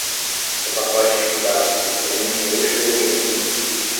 O pacote de cuidados que você me enviou chegou bem a tempo.